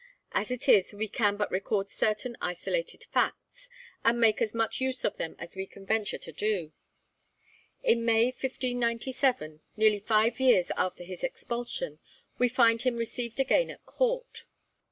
As it is we can but record certain isolated facts, and make as much use of them as we can venture to do. In May 1597, nearly five years after his expulsion, we find him received again at Court.